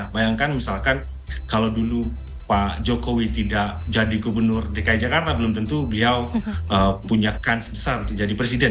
bayangkan misalkan kalau dulu pak jokowi tidak jadi gubernur dki jakarta belum tentu beliau punya kans besar untuk jadi presiden